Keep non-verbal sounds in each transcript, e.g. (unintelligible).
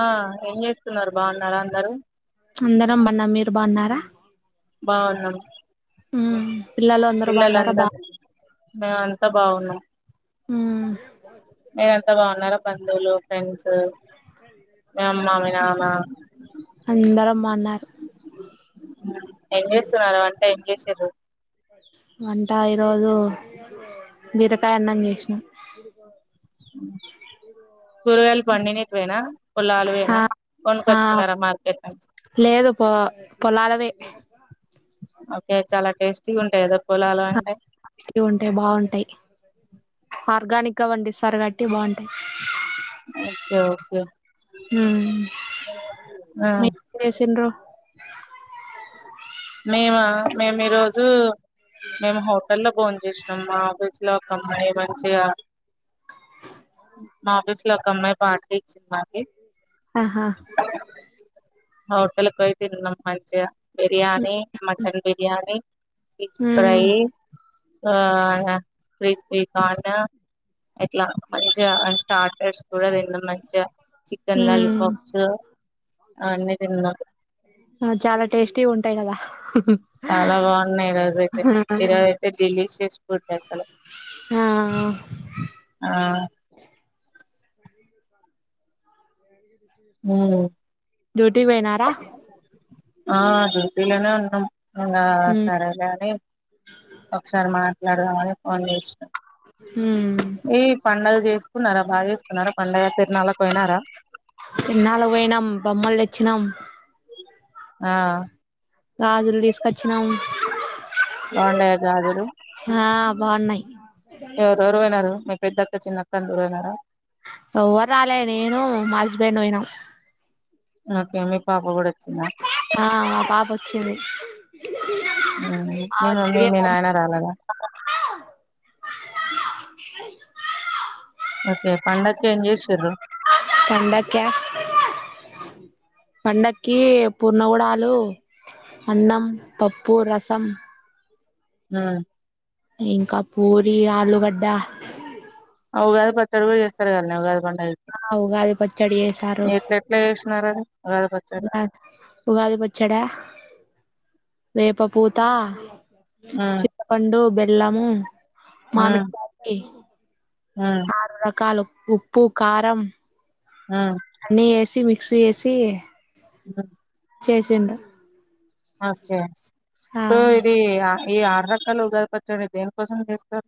ఆ ఏం చేస్తున్నారు బావున్నారా అందరూ అందరం బన్న మీరు బావున్నారా బావున్నం ఉమ్మ్ పిల్లలంతా మేమంతా బావున్నాం ఉమ్ నే తా బావున్నారా బంధువులు ఫ్రెండ్స్ మీ అమ్మ మీ నాన్న అందరం బావున్నారు ఏం చేస్తున్నారు వంట ఏం చేసిర్రు వంట ఈరోజు బీరకాయ అన్నం చేసినాం కూరగాయలు పండినేటివేనా పొలాలు ఆ వేనా ఆ కొనుకొచ్చుకున్నారా మార్కెట్ నుంచి లేదు పొ పొలాలవే ఓకే చాలా టేస్టీగుంటాయి కదా పొలాలు అంటే ఉంటాయి బాగుంటాయి ఆర్గానిక్ గా పండిస్తారు కాబట్టి బావుంటాయి ఓకే ఓకే మ్ ఆ మీ (unintelligible) సిండ్రు మేమ మేము ఈరోజు మేము హోటల్ లో బోన్ చేసినాం మా ఆఫీస్ లో ఒక అమ్మాయి మంచిగా మా ఆఫీస్ లో ఒక అమ్మాయి పార్టీ ఇచ్చింది మాక్. ఆహా హోటల్ పోయి తిన్నాం మంచిగా biryani mutton biryani fish um fry ఆ క్రిస్పీ కార్న్ ఇట్లా మంచిగా స్టార్టర్స్ కూడా తిన్నాం మంచిగా చికెన్ ఉమ్ లాలీపాప్స్ అన్నీ తిన్నాం. చాలా టేస్టీగా ఉంటాయి కదా చాలా బాగున్నాయి ఈరోజయితే ఈరోజయితే డెలీషియస్ ఎ అసలు ఆ ఆ ఉమ్ డ్యూటికి పోయినారా ఆ డ్యూటీలోనే ఉన్నాం ఆ ఉమ్ సరే గాని ఒకసారి మా అడగాలే ఫోన్ చేసి ఉమ్ ఏ పండుగ చేస్ కున్నారా బాగేస్ న్నారా పండుగ తిరునాళకి పోయినారా తిరున్నాలకి పోయినాం బొమ్మలు తెచ్చినాం ఆ గాజులు తీసుకొచ్చినాం బాగుండయా గాజులు ఆ బాగున్నాయి ఎవరెవరు పోయినారు మీక్ పెద్దక్క చిన్నక్క అందరూ పోయినార ఎవ్వరు రాలే నేను మా హస్బెండ్ పోయినం ఓకే మీ పాప కూడా వచ్ దా ఆ మా పాప వచ్చింది హ్మ్మ్ మీ ఆమె మమ్మీ తిరిగే మీ బొమ్మ నాయనా రాలేద. ఓకే పండకి ఏం చేసిర్రు పండక్క పండకి పున్నగడాలు అన్నం పప్పు రసం. హ్మ్మ్ ఇంకా పూరి ఆలుగడ్డ ఆ ఉగాది పచ్చడ కూడా చేస్తారు కదనే ఉగాది పండ ఆ ఉగాది పచ్చడి చేసారు ఎట్ల ఎట్లా చేసినారు అది ఉగాది పచ్చడి ఆ ఉగాది పచ్చడ వేప పూతా మ్మ్ చిపండు బెల్ ఎల్లమ్ము మ్మ్ మామిడి కాయి మ్మ్ ఆరు రకాలు ఉప్పు కారం మ్మ్ అన్ని వేసి వి శేసి అ చేసిండు ఓకే ఆ సో ఇది ఆ ఈ ఆరు రకాల ఉగాదిపచ్చడి దేని కోసం చేస్తారు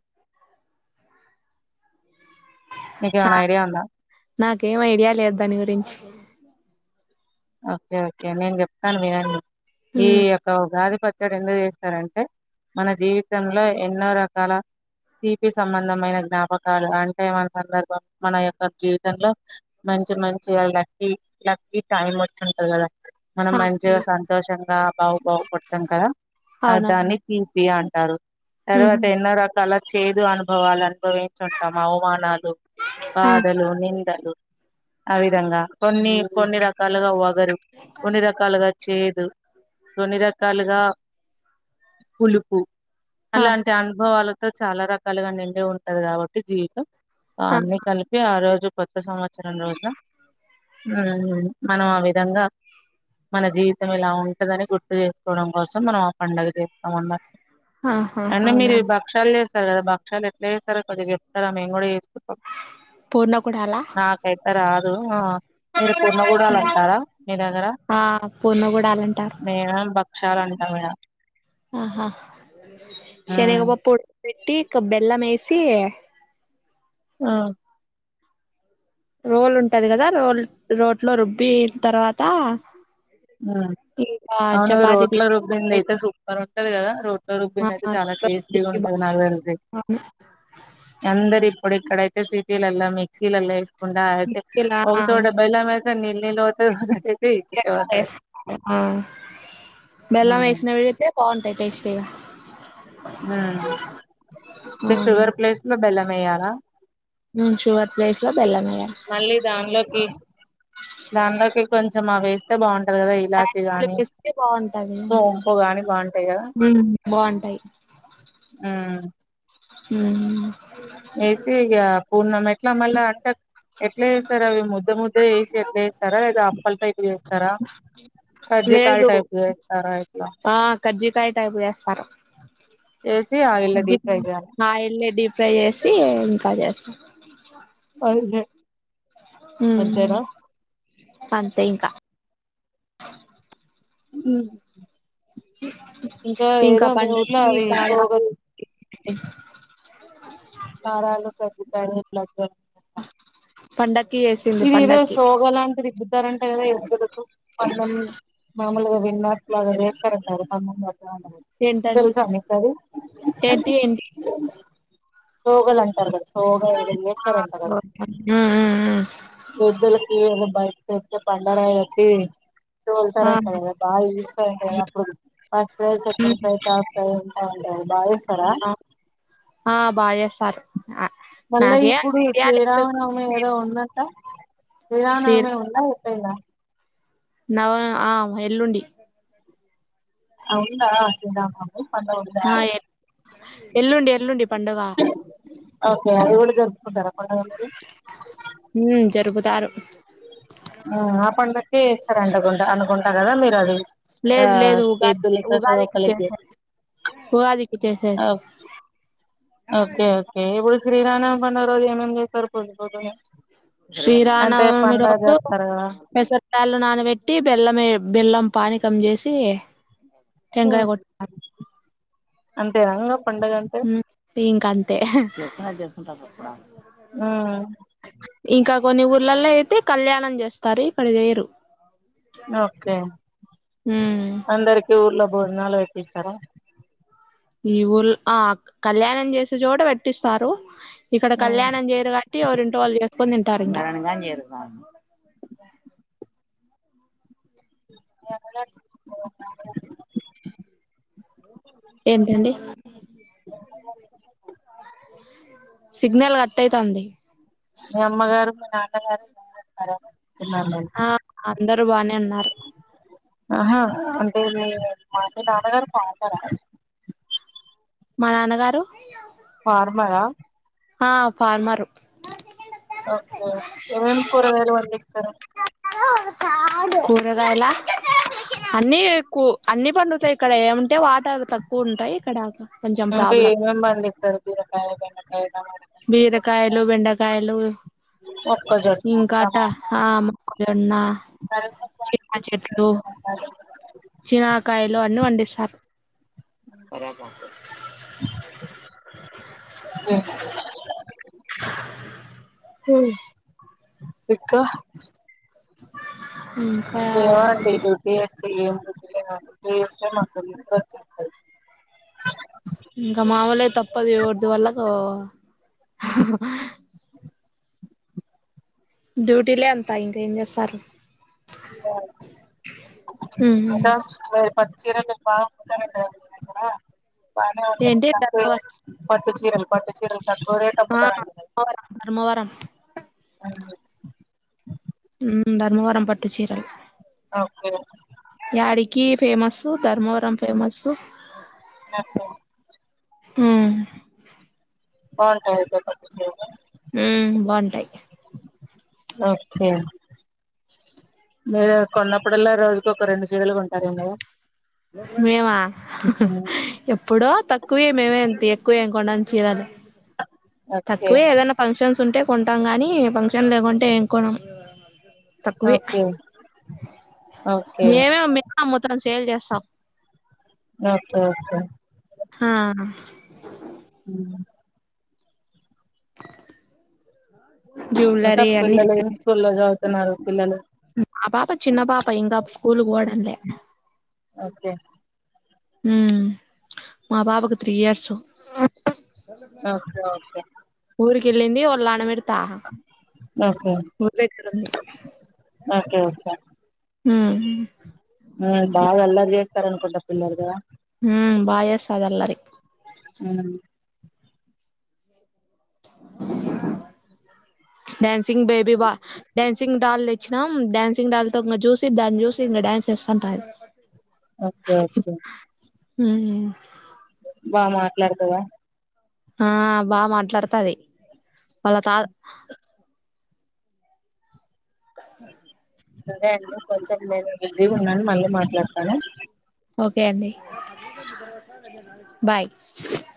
మీకు ఏమైనా నాక్ ఐడియా ఉందా నాకేం ఐడియా లేదు దాని గురించి ఓకే ఓకే నేను చెప్తాను వినండి ఏ ఉమ్ యొక్క ఉగాది పచ్చడి ఎందుకు చేస్తారంటే మన జీవితంలో ఎన్నో రకాల తీపి సంబంధమైన జ్ఞాపకాలు అంటే మన సందర్భం మన యొక్క జీవితంలో మంచి మంచి వాళ్ళకి లక్కి టైం వచ్చుంటది గదా మనం ఆ మంచిగా సంతోషంగా బాగు బాగు పడ్తం కదా ఆ అవునా దాన్ని తీపి అన్ తారు ఉహు తరువాత ఎన్నొరకాల చేదు అనుభవాలన్ అనుభవించుంటాం అవమానాలు బాధలు నిందలు ఆ విధంగా కొన్ని కొన్ని రక్ కలుగా వాక్ రు కొన్ని రకాలుగా చేదు కొన్ని రకాలుగా పులుపు ఆ అలాంటి అనుభవాలక్ తో చాలా రకాలుగా నిండి ఉంటది కాబట్టి జీవితం అ ఆ అన్ని కలిపి ఆ రోజుక్ కొత్త సంవత్సరం రోజున మనం ఆ విధంగా మన జీవితం ఇలా ఉంటదని గుర్తు చేసుకోవడం కోసం మనం ఆ పండుగ చేస్తామన్నమాట ఆహా అంటే మీరు అవునా ఈ భక్షాలు చేస్ ఆ బక్షాలు ఎట్లా చేస్తారో కొద్దిగా చెప్తారా మేము కూడా చేస్ పూర్ణ కూడాలా నాకైతే రాదు ఆ మీరు కూడా నిమ్మకూడాలంటారా మీ దగ్గర ఆ పూర్ణ కూడాలు అంటారు మేమం బక్ టారంటా గూడా ఆహా మ్మ్ శనగపప్పు ఉడకపెట్టి ఇంక బెల్లం మేసి చియే ఆహ్ రోల్ ఉంటది గదా రోల్ రోట్లో రుబ్బిన్ తర్వాత హా ఇంకా అవును చపాతి రోట్ల పిండి రుబ్బింది అయితే పెట్టి సూపర్ ఉంటది కదా రోట్ల రుబ్బిందయితే చాలా టేస్టీగా ఉంటది నాకుతేలిసి ఆ అందరు ఇప్పుడిక్కడైతే ఇక్కడ సిటీలల్ల మిక్సీలల్ల ఏసి కుండాయితే ఇలా ఒకచోట బెల్లం ఎత్ (unintelligible) నీ లోటస్ అయితే చెక్క ఇచ్చుండాల్సింది (inaudible) వేస్తా ఆ బెల్లం ఉమ్ వేసిన విడిగితే పాలు బాగుంటాయి టేస్టీ గా ఆ షుగర్ ప్లేస్ లో బెల్లం వెయ్యాలా హుమ్ షుగర్ ప్లేస్ లో బెల్లం వెయ్యాలి మళ్ళీ దానిలోకి దానిలోకి కొంచం కొంచెం అవి వేస్తే బాగుంటాంది ర్ కదా ఇలాచి కలిపి గాని వేస్తే బాగుంటది సోంపు ఇంకో గాని బాగుంటాయి కదా బాగుంటాయి మ్ హుమ్ ఏసీ ఇగా పూర్ణం ఎట్లా మళ్ళా అం ఎట్లా చేస్తారా అవి ముద్ద ముద్ద వేసి ఎట్లా చేస్తారా లేదా అప్పల టైప్ చేస్తారా కర్జికయ లేదు టైప్ చేస్తారా ఇట్లా కాయ టైపు చేస్తారు చేసి ఆయిల్లో డీప్ ఫ్రై చేయాలి ఆయిల్ లో డీప్ ఫ్రై చేసి ఇంకా చేస్త (inaudible) అంతే ఉమ్ అంతేనా అంతే ఇంకా ఉ ఇంకా ఏదో మీఊర్లో పండక్కి అవి కారాలు పోగాలు సారాలో పెదద్ది కానీట్లా పండక్ ఇది ఇదే సోగలాంటిది ఇస్తారంటే కదా ఎరు పందం మామూలుగా విన్నెర్స్ లాగా చేస్తారంట ప ఏంటండి తెలుస మీక్ అది ఏంటి ఏంటి సోగల్ అంటారు కదా సోగల్ ఆ ఒకె మ్ మ్ ఎద్దులకి అబ్బాయ్ చెప్తే బండరాయి కొట్టి తోలుతారంటారు బాగా ఇస్తాంట అప్పుడు first prize second prize third prize ఉంటా ఉంటారు బాగా ఇస్తరా ఆ బాగా చేస్తారు మళ్ళ నాకే అంత ఇప్పుడు ఐడియా లేదు శ్రీరామనవమి ఏదో ఉందంట శ్రీరామ్ విరానమే ఉంద ఎప్పుడైన నవ ఆ ఎల్లుండి అవునా శ్రీ రామ నవమి హా ఎల్ ఎల్లుండి ఎల్లుండి పండుగ ఓకే అది కూడా జర్పుకుంటార కొంత మంది ఉమ్ జరుపుతారు ఇది వేస్తార అంట కొంత అనుకుంటారు కదా మీరు అది ఆ లేదు లేదు ఉగాది ఎద్దులతో స ఉగాదికి కలికి చేసేది ఉగాదికి చేసేది ఓకే ఓకే ఇప్పుడు శ్రీరామనవమి పండగ రోజు ఏమేం చేస్తారు పద్దు పోద్దునె శ్రీరానవమి రోజు కదా పెసరకాళ్లు నానబెట్టి బెల్లం బెల్లం పానికం చేసి టెంకాయ కొట్ట అంతెన ఇంగ పండగ అంటే ఉమ్ ఇంక అంతే ఈ పక్కకు రా ఉమ్ ఇంకా కొన్ని ఊర్లలో అయితే కళ్యాణం చేస్తారు ఇక్కడ చేయరు ఓకే ఉమ్ అందరికి ఊర్లో భోజనాలు పెట్టిస్తారా ఈ ఊళ్ ఆ కళ్యాణం చేసే చోట పెట్టిస్తారు ఇక్కడ మ్మ్ కళ్యాణం చేయరు కాట్టి ఎవరి ఇంటి వాళ్ చేసుకని తింటారు ఇంటారు ఇంక ఏంటెండి సిగ్నల్ కట్ అయితాంది మీ అమ్మగారు మీ నాన్నగారు బానె ఉన్నార ఆ అందరు బానే ఉన్నారు ఆహా అంటే మీ తాతగారు బాగున్నారా మా నాన్నగారు ఫార్మర్ రా ఆ ఫార్మరు ఓకే ఏమేమ్ కూరగాయాలు పండిస్ స్తారు కూరగాయల అన్నికు అన్ని పండుతాయి. ఇక్కడ ఏముంటాయ్ వాటర్ తక్కువ ఉంటాయి. ఇక్కడ కొంచెం అంటే ప్రాబ్లం ఏమేమ్ పండిస్తారు. బిరకాయ్, బెండకాయ్ బీరకాయలు, బెండకాయలు మొక్కజొన్న ఇంకాట టమాటా ఆ జొన్న, చిన్న చెట్లు, చినకాయలు అన్ని పండిస్తారు. ఆ రమ్మా (unintelligible) ఉహ్ ఇంకా ఇంకా ఏమో అండి. ఇంకే ఏమ్ గుర్తుకే రావట్లే (unintelligible) ఇంకా మామూలే తప్పదు. ఎవరిది వాళ్లకు డ్యూటీలే అంతా ఇంకా ఏమ్ చేస్తారు. అవునా పచ్చిరకి బా ఉంటా (unintelligible) ఇక్కడ బాగానే ఉంటది. ఏంటి పట్టు టర్నోవర్ పట్టు చీరల్ పట్టు చీరల్ తక్కువ రేట్ ఆ అమ్ముతారట ధర్మవరం ధర్మవరం (unintelligible) హ్మ్ ధర్మవరం పట్టు చీరల్ ఆ ఓకే యాడికి ఫేమస్సు ధర్మవరం ఫేమస్సు ఆహా ఆ బాగుంటాయి. అక్కడ పట్టు చీరలు హ్మ్ బాగుంటాయి. ఓకే మీరు కొన్నప్పుడలా రోజుకు ఒక రెండు సీరలుగా కొంటారెమో మేమా ఎప్పుడో తక్కువే మేమేంతే ఎక్కువేమ్ కొనమ్ చీరలు ఓకే తక్కువే ఏదైనా ఫంక్షన్స్ ఉంటే కొంటాం గాని ఫంక్షన్ లేకుంటే ఏమ్ కొనాం ఓకే ఓకే మేమే మే అమ్ముతాం చీ సేల్ చేస్తాం. ఓకే ఓకే ఆ ఉ (inaudible) ఇకా జ్యువెలరీ అన్ని పిల్లలు ఏమి స్కూల్లో చదువుతున్నారు పిల్లలు ఆ పాప చిన్న పాప ఇంకా స్కూలుకి ఓడంలే ఓకే ఉ మా పాపకు త్రీ ఇయర్స్ ఓకే ఓకే ఊరి కిల్లింది పనబెడ్త ఓకే ఉరిదగ్గర ఉంది ఓకే ఓకే ఉమ్ సరే అనుకుంటా పిల్లర్ గా హుమ్ బాయస్ అదఅల్లరి అ డ్యాన్స్ సింగ్ బేబీ బ డ్యాన్సింగ్ డాల్ తెచ్చిన డ్యాన్సింగ్ డాల్ తో చూసి దాన్ని చూసి ఇంకా డ్యాన్స్ ఎస్సంటాది ఓకే ఓకే ఉమ్ బా మాట్లాడతదా ఆ బాగా మాట్లాడుతది వాళ్ళ తా అ అరే అండి కొంచెం నేను బిజీగా ఉన్నాను మళ్ళీ మాట్లాడతాను ఓకే అండి బాయ్